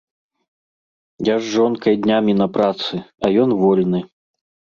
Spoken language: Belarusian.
Я з жонкай днямі на працы, а ён вольны.